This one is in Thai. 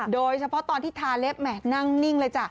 โดยเฉพาะตอนที่ทาเล็บแห่นั่งนิ่งเลยจ้ะ